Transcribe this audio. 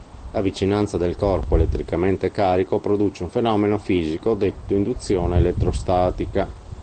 La vicinanza del corpo elettricamente carico produce un fenomeno fisico detto induzione elettrostatica.